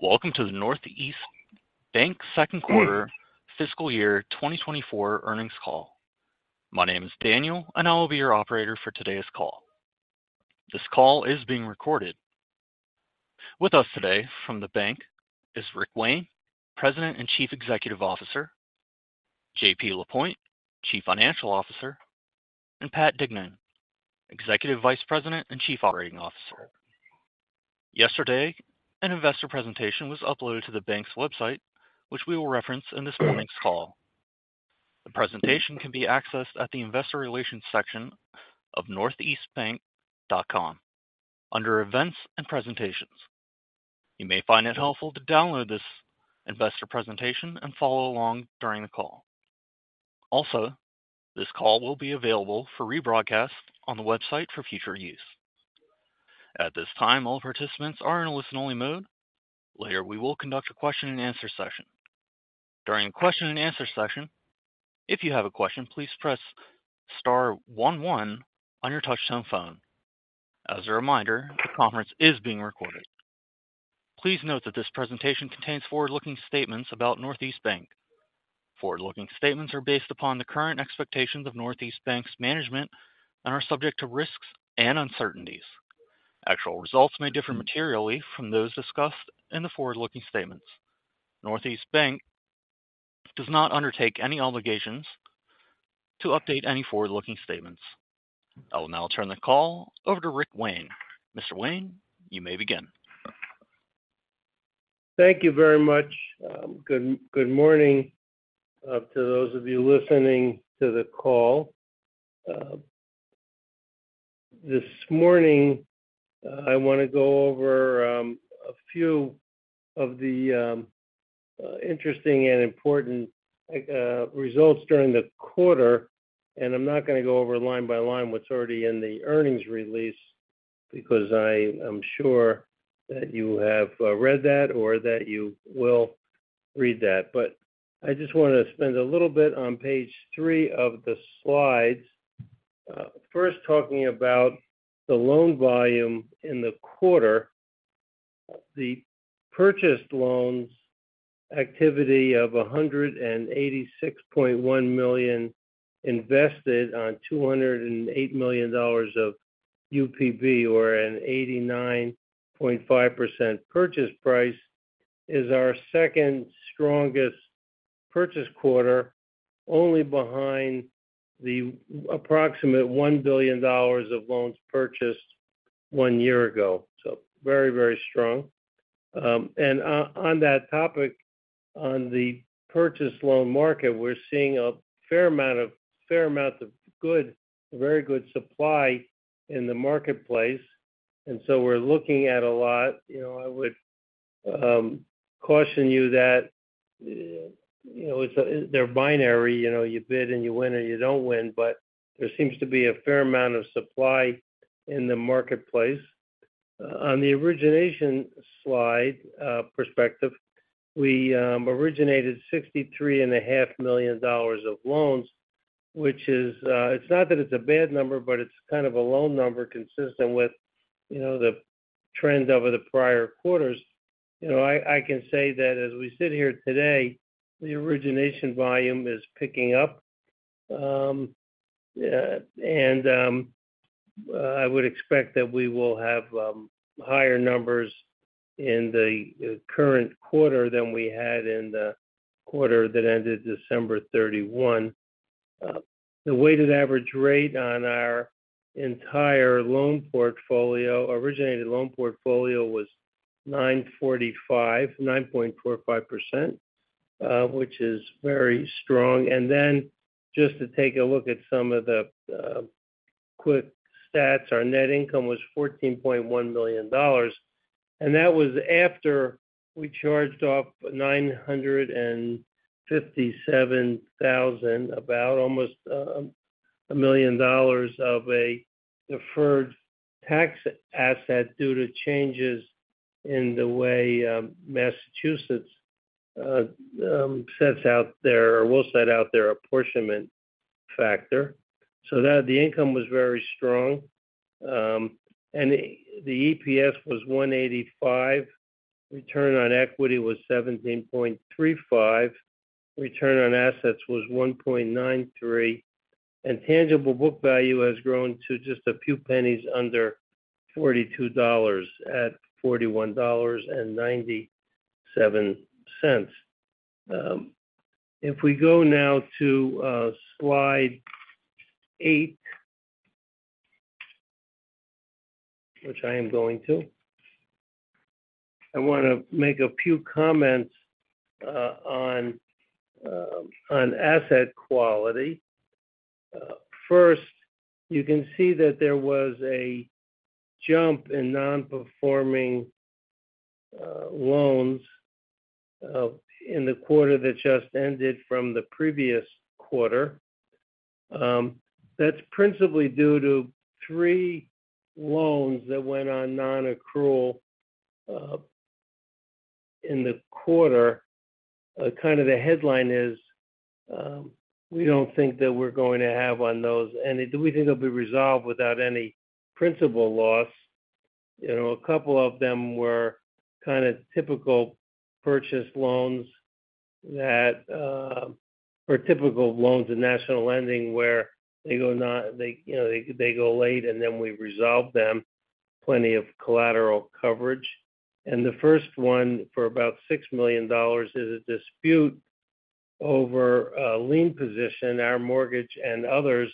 Welcome to the Northeast Bank second quarter fiscal year 2024 earnings call. My name is Daniel, and I will be your operator for today's call. This call is being recorded. With us today from the bank is Rick Wayne, President and Chief Executive Officer, JP Lapointe, Chief Financial Officer, and Pat Dignan, Executive Vice President and Chief Operating Officer. Yesterday, an investor presentation was uploaded to the bank's website, which we will reference in this morning's call. The presentation can be accessed at the Investor Relations section of northeastbank.com, under Events and Presentations. You may find it helpful to download this investor presentation and follow along during the call. Also, this call will be available for rebroadcast on the website for future use. At this time, all participants are in a listen-only mode. Later, we will conduct a question-and-answer session. During the question-and-answer session, if you have a question, please press star one one on your touchtone phone. As a reminder, the conference is being recorded. Please note that this presentation contains forward-looking statements about Northeast Bank. Forward-looking statements are based upon the current expectations of Northeast Bank's management and are subject to risks and uncertainties. Actual results may differ materially from those discussed in the forward-looking statements. Northeast Bank does not undertake any obligations to update any forward-looking statements. I will now turn the call over to Rick Wayne. Mr. Wayne, you may begin. Thank you very much. Good morning to those of you listening to the call. This morning, I want to go over a few of the interesting and important results during the quarter, and I'm not going to go over line by line what's already in the earnings release, because I am sure that you have read that or that you will read that. But I just want to spend a little bit on page three of the slides. First, talking about the loan volume in the quarter. The purchased loans activity of $186.1 million, invested on $208 million of UPB, or an 89.5% purchase price, is our second strongest purchase quarter, only behind the approximate $1 billion of loans purchased one year ago. So very, very strong. And on, on that topic, on the purchase loan market, we're seeing a fair amount of, fair amount of good, very good supply in the marketplace, and so we're looking at a lot. You know, I would caution you that, you know, it's a, they're binary, you know, you bid and you win or you don't win, but there seems to be a fair amount of supply in the marketplace. On the origination slide, perspective, we originated $63.5 million of loans, which is... It's not that it's a bad number, but it's kind of a loan number consistent with, you know, the trend over the prior quarters. You know, I, I can say that as we sit here today, the origination volume is picking up. I would expect that we will have higher numbers in the current quarter than we had in the quarter that ended December 31. The weighted average rate on our entire loan portfolio, originated loan portfolio, was 9.45%, which is very strong. And then just to take a look at some of the quick stats, our net income was $14.1 million, and that was after we charged off $957,000, about almost a million dollars of a deferred tax asset due to changes in the way Massachusetts sets out there or will set out their apportionment factor. So the income was very strong, and the EPS was $1.85. Return on equity was 17.35%. Return on Assets was 1.93. Tangible Book Value has grown to just a few pennies under $42, at $41.97. If we go now to slide eight, which I am going to, I want to make a few comments on asset quality. First, you can see that there was a jump in non-performing loans in the quarter that just ended from the previous quarter. That's principally due to three loans that went on nonaccrual in the quarter. Kind of the headline is, we don't think that we're going to have on those, and we think they'll be resolved without any principal loss. You know, a couple of them were kind of typical purchase loans that were typical loans in national lending, where they, you know, they, they go late, and then we resolve them, plenty of collateral coverage. And the first one, for about $6 million, is a dispute over a lien position, our mortgage and others,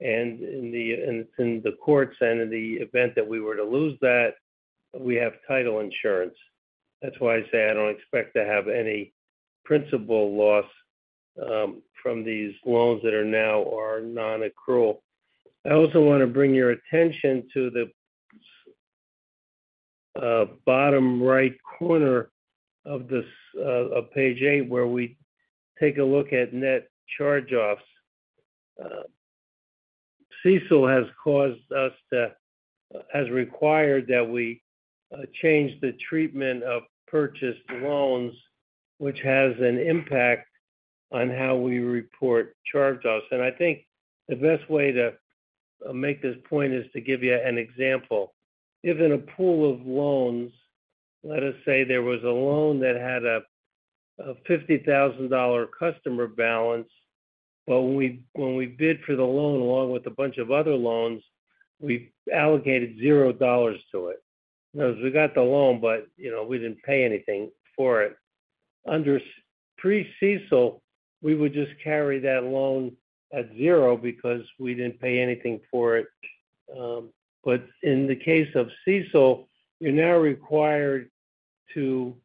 and in the, and it's in the courts, and in the event that we were to lose that, we have title insurance. That's why I say I don't expect to have any principal loss from these loans that are now or are nonaccrual. I also want to bring your attention to the bottom right corner of this of page eight, where we take a look at net charge-offs. CECL has required that we change the treatment of purchased loans, which has an impact on how we report charge-offs. And I think the best way to make this point is to give you an example. Given a pool of loans, let us say there was a loan that had a $50,000 customer balance, but when we bid for the loan, along with a bunch of other loans, we allocated $0 to it. Because we got the loan, but you know, we didn't pay anything for it. Under pre-CECL, we would just carry that loan at zero because we didn't pay anything for it. But in the case of CECL, you're now required to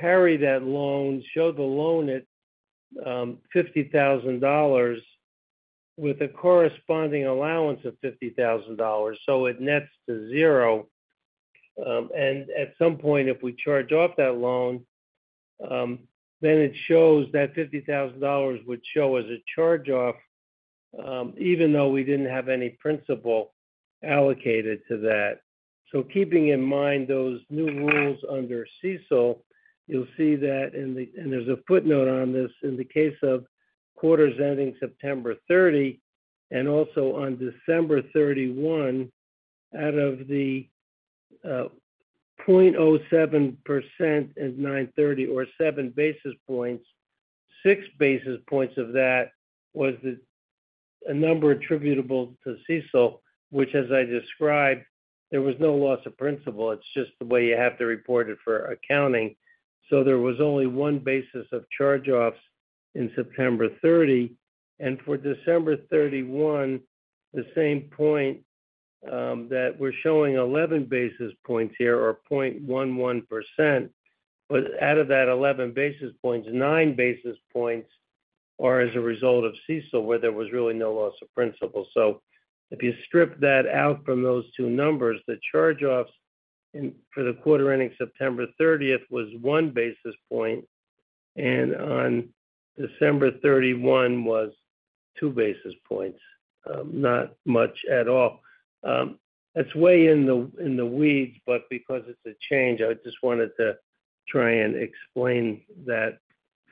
carry that loan, show the loan at $50,000 with a corresponding allowance of $50,000, so it nets to zero. And at some point, if we charge off that loan, then it shows that $50,000 would show as a charge-off, even though we didn't have any principal allocated to that. So keeping in mind those new rules under CECL, you'll see that in the... And there's a footnote on this. In the case of quarters ending September 30 and also on December 31, out of the 0.07% at 9/30 or 7 basis points, 6 basis points of that was a number attributable to CECL, which, as I described, there was no loss of principal. It's just the way you have to report it for accounting. So there was only one basis of charge-offs in September 30, and for December 31, the same point, that we're showing 11 basis points here, or 0.11%. But out of that 11 basis points, 9 basis points are as a result of CECL, where there was really no loss of principal. So if you strip that out from those two numbers, the charge-offs for the quarter ending September 30th was one basis point, and on December 31 was two basis points. Not much at all. That's way in the weeds, but because it's a change, I just wanted to try and explain that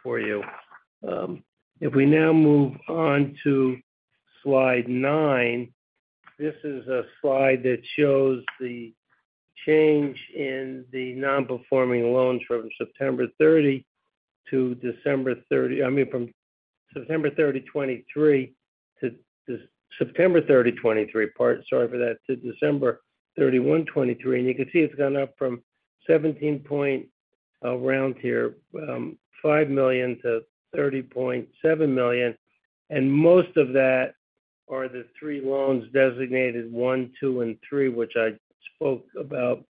for you. If we now move on to slide nine, this is a slide that shows the change in the non-performing loans from September 30 to December 30—I mean, from September 30, 2023, to, to September 30, 2023, pardon, sorry for that, to December 31, 2023. And you can see it's gone up from 17 point, I'll round here, $5 million to $30.7 million, and most of that are the three loans designated one, two, and three, which I spoke about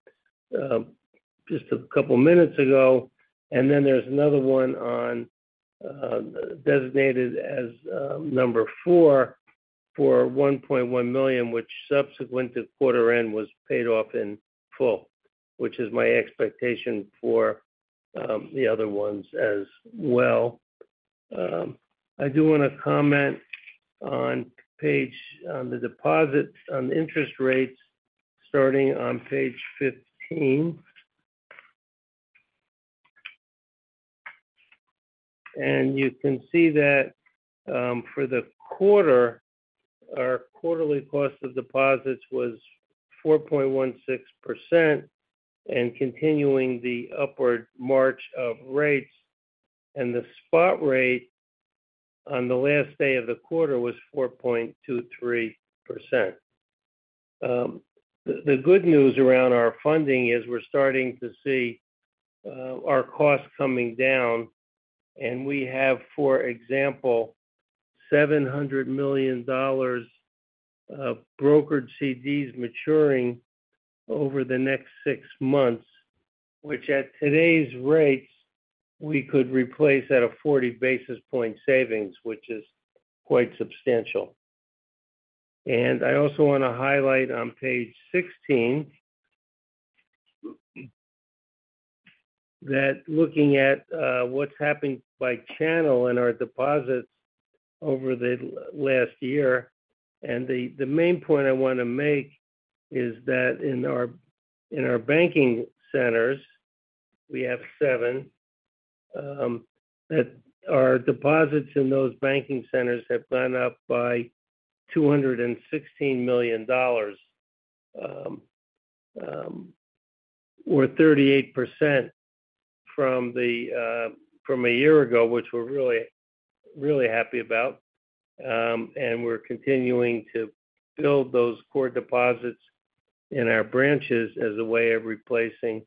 just a couple minutes ago. And then there's another one on, designated as, number four for $1.1 million, which subsequent to quarter end, was paid off in full, which is my expectation for the other ones as well. I do want to comment on page, on the deposits on interest rates starting on page 15. You can see that, for the quarter, our quarterly cost of deposits was 4.16% and continuing the upward march of rates, and the spot rate on the last day of the quarter was 4.23%. The good news around our funding is we're starting to see our costs coming down, and we have, for example, $700 million of brokered CDs maturing over the next six months, which at today's rates, we could replace at a 40 basis point savings, which is quite substantial. And I also want to highlight on page 16, that looking at what's happening by channel in our deposits over the last year. The main point I want to make is that in our banking centers, we have seven that our deposits in those banking centers have gone up by $216 million or 38% from a year ago, which we're really, really happy about. We're continuing to build those core deposits in our branches as a way of replacing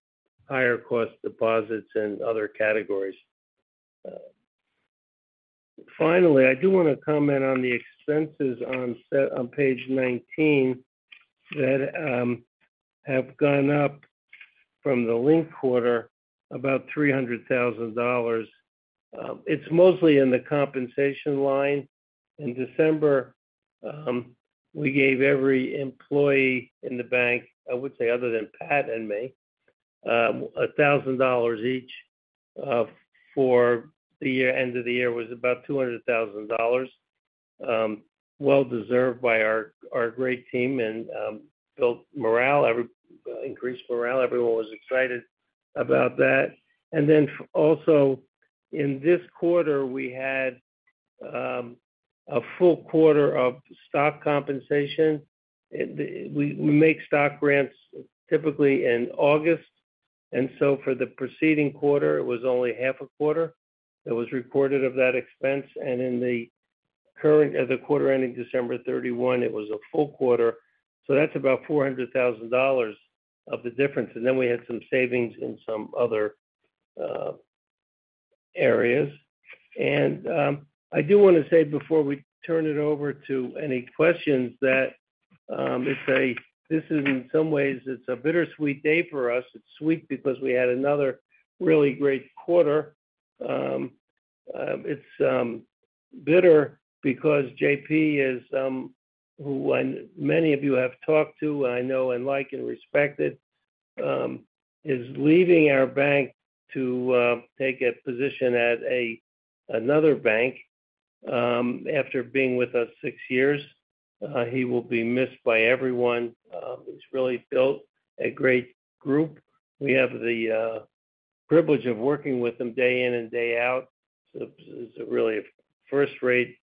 higher cost deposits in other categories. Finally, I do want to comment on the expenses on page 19 that have gone up from the linked quarter, about $300,000. It's mostly in the compensation line. In December, we gave every employee in the bank, I would say, other than Pat and me, $1,000 each, for the end of the year, was about $200,000. Well deserved by our great team, and built morale, increased morale. Everyone was excited about that. And then also in this quarter, we had a full quarter of stock compensation. We make stock grants typically in August, and so for the preceding quarter, it was only half a quarter that was reported of that expense. And in the current, the quarter ending December 31, it was a full quarter, so that's about $400,000 of the difference. And then we had some savings in some other areas. I do want to say before we turn it over to any questions, that this is in some ways a bittersweet day for us. It's sweet because we had another really great quarter. It's bitter because JP is who, when many of you have talked to, I know, and like and respected, is leaving our bank to take a position at another bank, after being with us six years. He will be missed by everyone. He's really built a great group. We have the privilege of working with him day in and day out. So he's a really first-rate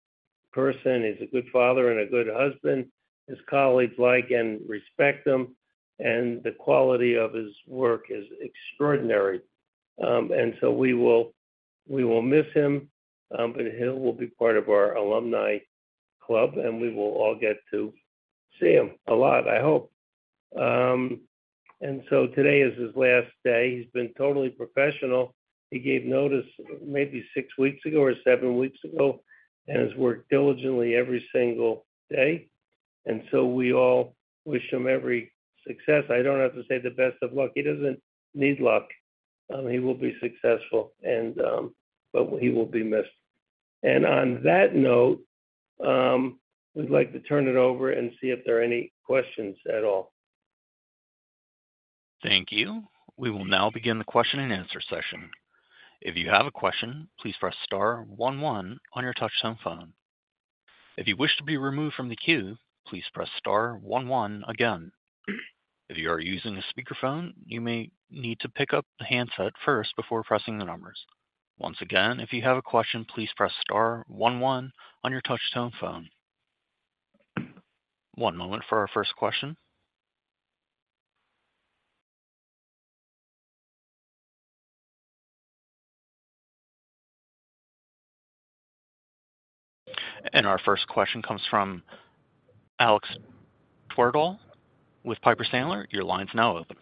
person. He's a good father and a good husband. His colleagues like and respect him, and the quality of his work is extraordinary. And so we will, we will miss him, but he will be part of our alumni club, and we will all get to see him a lot, I hope. And so today is his last day. He's been totally professional. He gave notice maybe six weeks ago or seven weeks ago, and has worked diligently every single day, and so we all wish him every success. I don't have to say the best of luck. He doesn't need luck. He will be successful, and, but he will be missed. And on that note, we'd like to turn it over and see if there are any questions at all. Thank you. We will now begin the question and answer session. If you have a question, please press star one one on your touchtone phone. If you wish to be removed from the queue, please press star one one again. If you are using a speakerphone, you may need to pick up the handset first before pressing the numbers. Once again, if you have a question, please press star one one on your touchtone phone. One moment for our first question. Our first question comes from Alex Twerdahl with Piper Sandler. Your line is now open.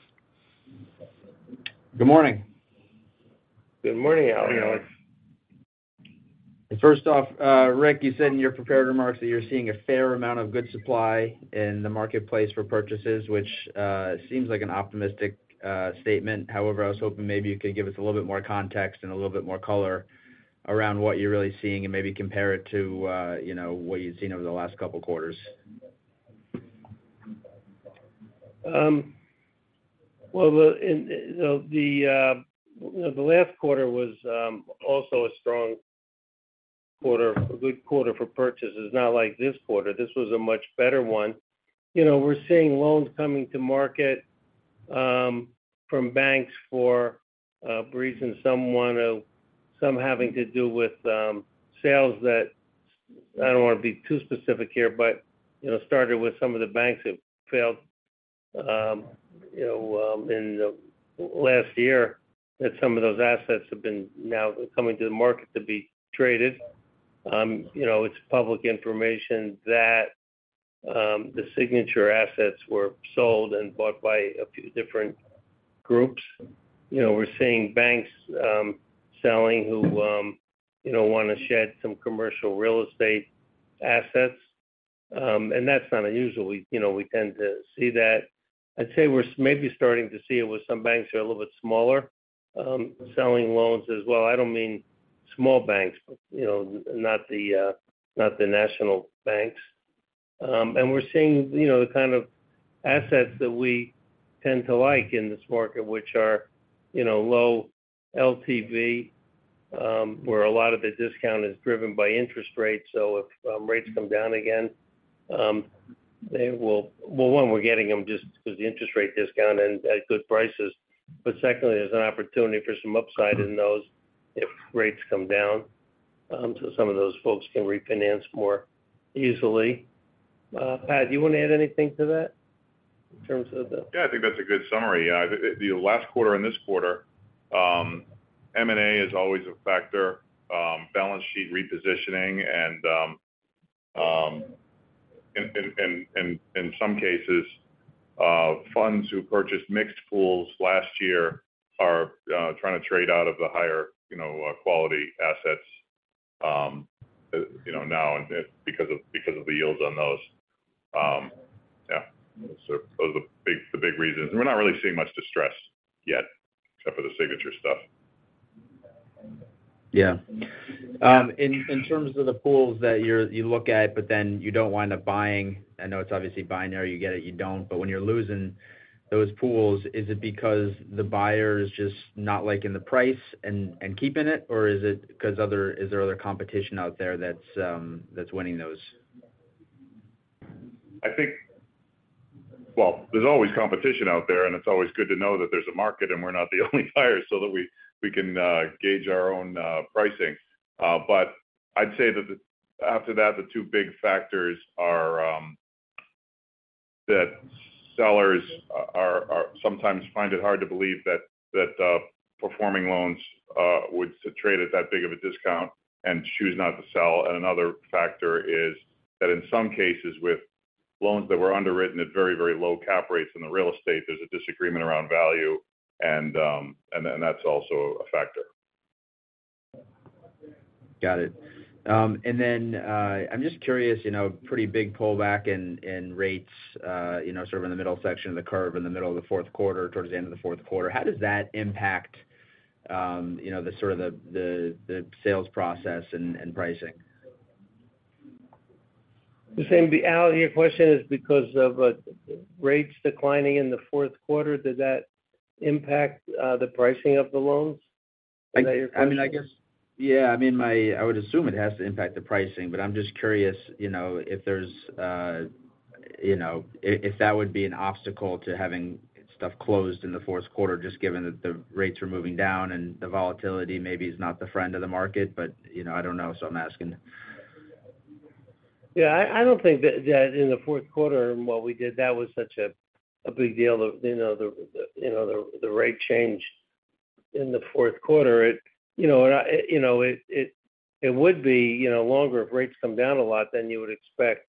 Good morning. Good morning, Alex. First off, Rick, you said in your prepared remarks that you're seeing a fair amount of good supply in the marketplace for purchases, which seems like an optimistic statement. However, I was hoping maybe you could give us a little bit more context and a little bit more color around what you're really seeing and maybe compare it to, you know, what you've seen over the last couple of quarters. Well, the last quarter was also a strong quarter, a good quarter for purchases, not like this quarter. This was a much better one. You know, we're seeing loans coming to market from banks for reasons, some wanting to, some having to do with sales that, I don't want to be too specific here, but, you know, started with some of the banks that failed, you know, in the last year, that some of those assets have been now coming to the market to be traded. You know, it's public information that the Signature assets were sold and bought by a few different groups. You know, we're seeing banks selling who you know want to shed some commercial real estate assets. And that's not unusual. We, you know, we tend to see that. I'd say we're maybe starting to see it with some banks who are a little bit smaller, selling loans as well. I don't mean small banks, but, you know, not the, not the national banks. And we're seeing, you know, the kind of assets that we tend to like in this market, which are, you know, low LTV, where a lot of the discount is driven by interest rates. So if rates come down again, they will- well, one, we're getting them just because the interest rate discount and at good prices. But secondly, there's an opportunity for some upside in those if rates come down, so some of those folks can refinance more easily. Pat, do you want to add anything to that in terms of the- Yeah, I think that's a good summary. The last quarter and this quarter, M&A is always a factor, balance sheet repositioning and in some cases, funds who purchased mixed pools last year are trying to trade out of the higher, you know, quality assets, you know, now and because of the yields on those. Yeah, so those are the big reasons. We're not really seeing much distress yet, except for the Signature stuff. Yeah. In terms of the pools that you look at, but then you don't wind up buying, I know it's obviously binary, you get it, you don't. But when you're losing those pools, is it because the buyer is just not liking the price and keeping it? Or is there other competition out there that's winning those? I think... Well, there's always competition out there, and it's always good to know that there's a market and we're not the only buyer, so that we can gauge our own pricing. But I'd say that the, after that, the two big factors are that sellers are sometimes find it hard to believe that performing loans would trade at that big of a discount and choose not to sell. And another factor is that in some cases with loans that were underwritten at very, very low cap rates in the real estate, there's a disagreement around value, and that's also a factor. Got it. And then, I'm just curious, you know, pretty big pullback in rates, you know, sort of in the middle section of the curve, in the middle of the fourth quarter, towards the end of the fourth quarter. How does that impact, you know, the sort of the sales process and pricing? The same, Al, your question is because of rates declining in the fourth quarter, does that impact the pricing of the loans? Is that your question? I mean, I guess, yeah. I mean, I would assume it has to impact the pricing, but I'm just curious, you know, if there's, you know, if that would be an obstacle to having stuff closed in the fourth quarter, just given that the rates are moving down and the volatility maybe is not the friend of the market. But, you know, I don't know, so I'm asking. Yeah, I don't think that in the fourth quarter and what we did, that was such a big deal, you know, the rate change in the fourth quarter. It would be longer if rates come down a lot, then you would expect,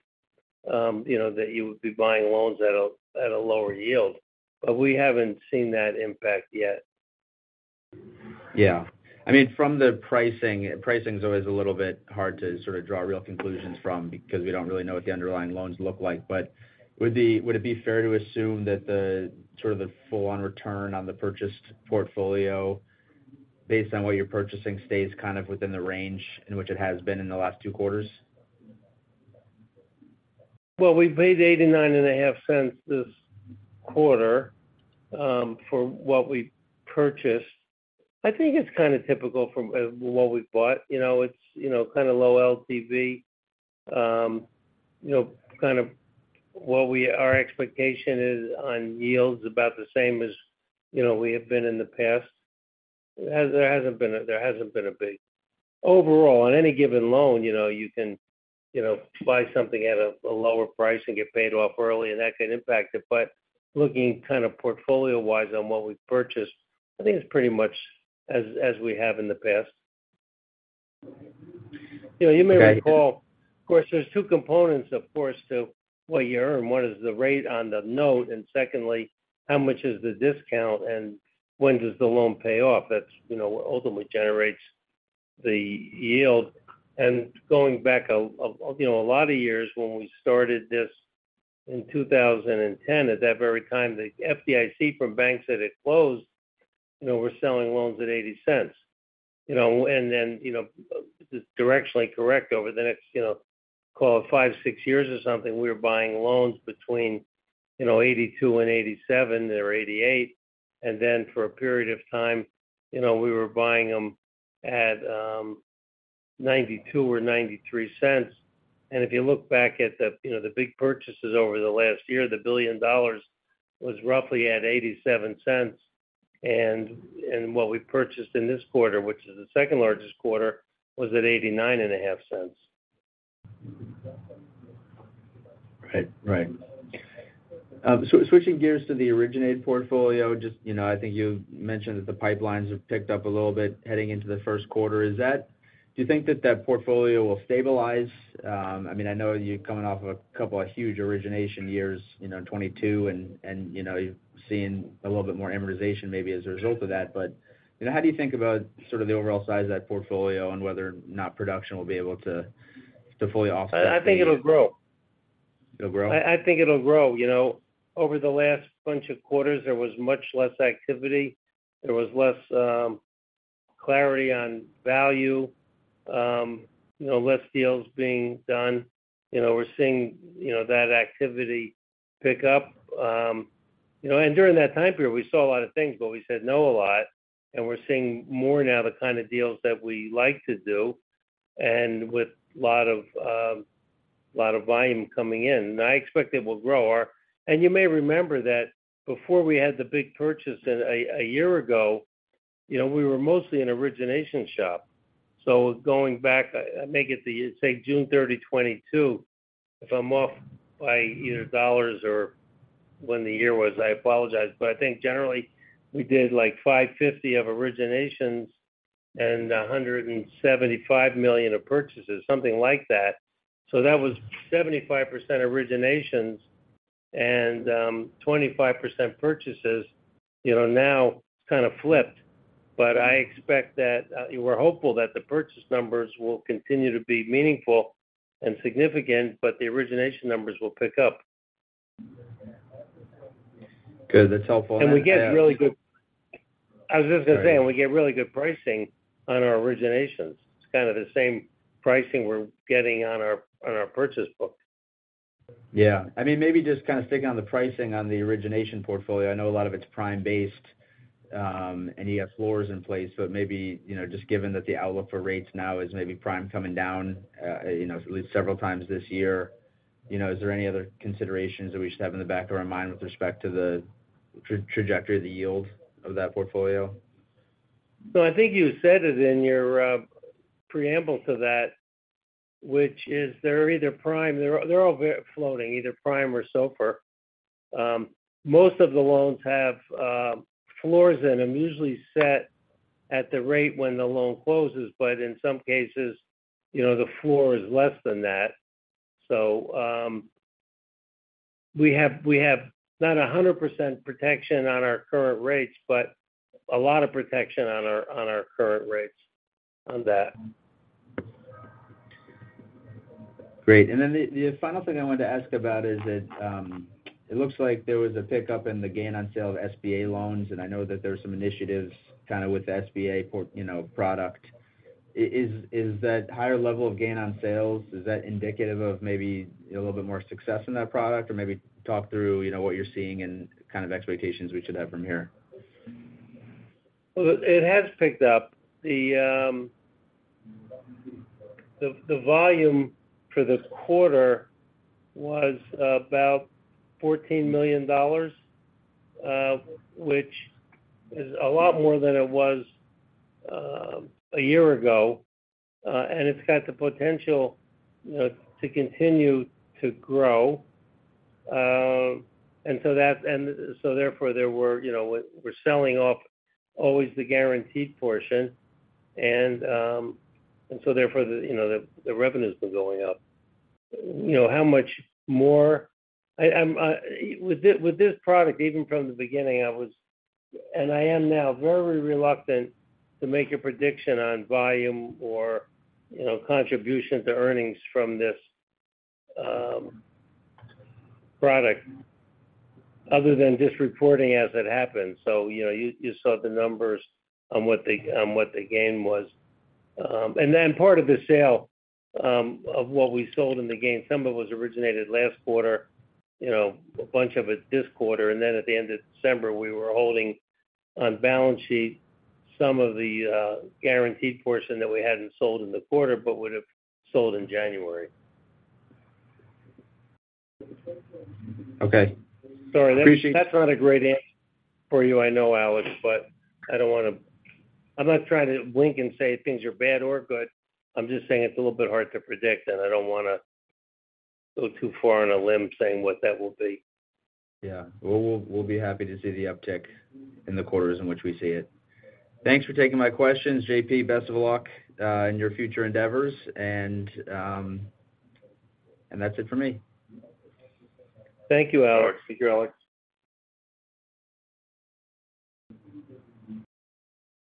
you know, that you would be buying loans at a lower yield. But we haven't seen that impact yet. Yeah. I mean, from the pricing, pricing is always a little bit hard to sort of draw real conclusions from because we don't really know what the underlying loans look like. But would the, would it be fair to assume that the, sort of the full-on return on the purchased portfolio, based on what you're purchasing, stays kind of within the range in which it has been in the last two quarters? Well, we paid $0.895 this quarter for what we purchased. I think it's kind of typical from what we've bought. You know, it's, you know, kind of low LTV, you know, kind of what we- our expectation is on yields about the same as, you know, we have been in the past. There hasn't been a, there hasn't been a big... Overall, on any given loan, you know, you can, you know, buy something at a lower price and get paid off early, and that could impact it. But looking kind of portfolio-wise on what we've purchased, I think it's pretty much as, as we have in the past. Got it. You know, you may recall, of course, there's two components, of course, to what you earn. One is the rate on the note, and secondly, how much is the discount and when does the loan pay off? That's, you know, what ultimately generates the yield. And going back, you know, a lot of years when we started this in 2010, at that very time, the FDIC from banks that had closed, you know, were selling loans at $0.80. You know, and then, you know, directionally correct over the next, you know, call it five, six years or something, we were buying loans between, you know, $0.82 and $0.87 or $0.88. And then for a period of time, you know, we were buying them at $0.92 or $0.93. If you look back at the, you know, the big purchases over the last year, the $1 billion was roughly at $0.87. And what we purchased in this quarter, which is the second-largest quarter, was at $0.895. Right. Right. So switching gears to the originated portfolio, just, you know, I think you mentioned that the pipelines have picked up a little bit heading into the first quarter. Is that - do you think that that portfolio will stabilize? I mean, I know you're coming off of a couple of huge origination years, you know, 2022, and, and, you know, you've seen a little bit more amortization maybe as a result of that. But, you know, how do you think about sort of the overall size of that portfolio and whether or not production will be able to, to fully offset? I think it'll grow. It'll grow? I think it'll grow. You know, over the last bunch of quarters, there was much less activity. There was less clarity on value, you know, less deals being done. You know, we're seeing, you know, that activity pick up. You know, and during that time period, we saw a lot of things, but we said no a lot, and we're seeing more now the kind of deals that we like to do, and with a lot of, a lot of volume coming in. I expect it will grow. And you may remember that before we had the big purchase a year ago, you know, we were mostly an origination shop. So going back, I make it, say, June 30, 2022. If I'm off by either dollars or when the year was, I apologize, but I think generally we did, like, $550 million of originations and $175 million of purchases, something like that. So that was 75% originations and 25% purchases. You know, now, it's kinda flipped, but I expect that we're hopeful that the purchase numbers will continue to be meaningful and significant, but the origination numbers will pick up. Good. That's helpful. We get really good, I was just gonna say, and we get really good pricing on our originations. It's kind of the same pricing we're getting on our purchase book. Yeah. I mean, maybe just kind of sticking on the pricing on the origination portfolio. I know a lot of it's prime-based, and you have floors in place, but maybe, you know, just given that the outlook for rates now is maybe prime coming down, you know, at least several times this year, you know, is there any other considerations that we should have in the back of our mind with respect to the trajectory of the yield of that portfolio? So I think you said it in your preamble to that, which is they're either prime. They're, they're all floating, either prime or SOFR. Most of the loans have floors in them, usually set at the rate when the loan closes, but in some cases, you know, the floor is less than that. So, we have, we have not 100% protection on our current rates, but a lot of protection on our, on our current rates on that. Great. And then the final thing I wanted to ask about is that it looks like there was a pickup in the gain on sale of SBA loans, and I know that there are some initiatives kinda with the SBA portfolio, you know, product. Is that higher level of gain on sales indicative of maybe a little bit more success in that product? Or maybe talk through, you know, what you're seeing and kind of expectations we should have from here. Well, it has picked up. The volume for this quarter was about $14 million, which is a lot more than it was a year ago. And it's got the potential, you know, to continue to grow. And so therefore, there were, you know, we're selling off always the guaranteed portion, and so therefore, the revenue's been going up. You know, how much more? I'm— with this product, even from the beginning, I was, and I am now very reluctant to make a prediction on volume or, you know, contribution to earnings from this product, other than just reporting as it happens. So, you know, you saw the numbers on what the gain was. And then part of the sale of what we sold in the gain, some of it was originated last quarter, you know, a bunch of it this quarter, and then at the end of December, we were holding on balance sheet some of the guaranteed portion that we hadn't sold in the quarter, but would have sold in January. Okay. Sorry. That's not a great answer for you, I know, Alex, but I don't wanna... I'm not trying to blink and say things are bad or good. I'm just saying it's a little bit hard to predict, and I don't wanna go too far on a limb saying what that will be. Yeah. We'll be happy to see the uptick in the quarters in which we see it. Thanks for taking my questions. JP, best of luck in your future endeavors, and that's it for me. Thank you, Alex. Thank you, Alex.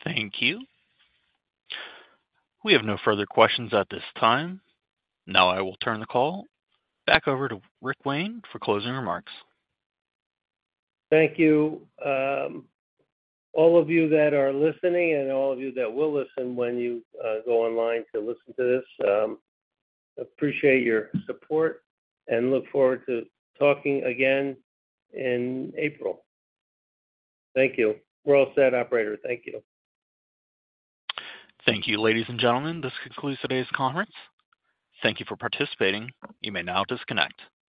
Thank you. We have no further questions at this time. Now, I will turn the call back over to Rick Wayne for closing remarks. Thank you. All of you that are listening and all of you that will listen when you go online to listen to this, appreciate your support and look forward to talking again in April. Thank you. We're all set, operator. Thank you. Thank you, ladies and gentlemen. This concludes today's conference. Thank you for participating. You may now disconnect.